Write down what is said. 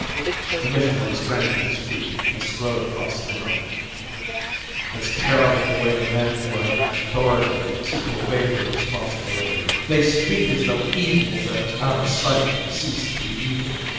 The missionary sprang to his feet and strode across the room. "It's terrible the way the men who are in authority seek to evade their responsibility. They speak as though evil that was out of sight ceased to be evil.